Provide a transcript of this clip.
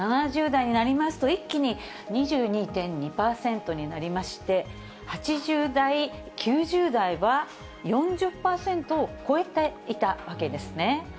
７０代になりますと、一気に２２．２％になりまして、８０代、９０代は４０％を超えていたわけですね。